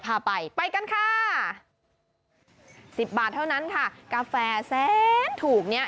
พาไปไปกันค่ะสิบบาทเท่านั้นค่ะกาแฟแสนถูกเนี้ย